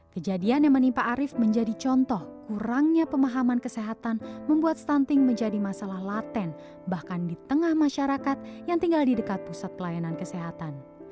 kejadian yang menimpa arief menjadi contoh kurangnya pemahaman kesehatan membuat stunting menjadi masalah laten bahkan di tengah masyarakat yang tinggal di dekat pusat pelayanan kesehatan